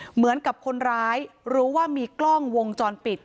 แต่คนร้ายรู้ว่ามีกล้องวงจรปิด